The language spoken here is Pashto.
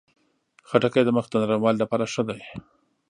خټکی د مخ د نرموالي لپاره ښه دی.